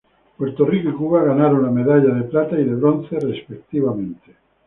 Puerto Rico y Cuba ganaron la medalla de plata y de bronce, respectivamente.